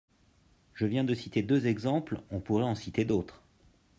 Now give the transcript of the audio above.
Je viens de citer deux exemples, on pourrait en citer d’autres.